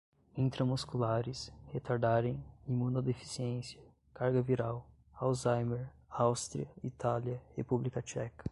intramusculares, retardarem, imunodeficiência, carga viral, alzheimer, Aústria, Itália, República Tcheca